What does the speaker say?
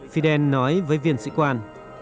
fidel nói với viên sĩ quan